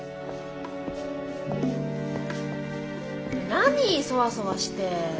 何ソワソワして。